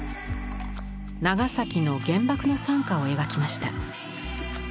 長崎の原爆の惨禍を描きました。